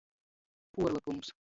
Puorlykums.